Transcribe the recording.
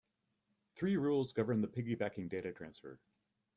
Three rules govern the piggybacking data transfer.